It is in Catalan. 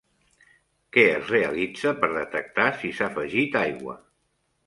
Què es realitza per detectar si s'ha afegit aigua?